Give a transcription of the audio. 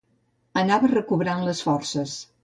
Anava recobrant les forces